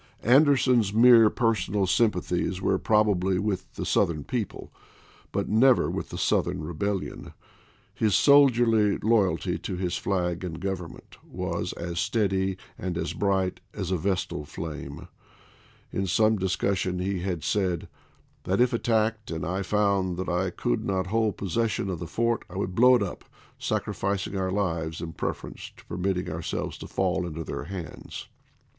Anderson's mere personal sympathies were probably with the South ern people, but never with the Southern rebellion ; his soldierly loyalty to his flag and government was as steady and as bright as a vestal flame. In some discussion he had said " that if attacked, and I found that I could not hold possession of the fort, I would blow it up, sacrificing our lives in preference to permitting ourselves to fall into theii' hands."